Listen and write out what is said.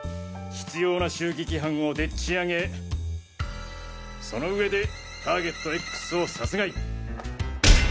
執拗な襲撃犯をデッチ上げその上でターゲットＸを殺害。